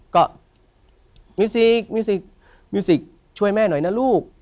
ก็มิวซิกมิวซิกช่วยแม่หน่อยนะลูก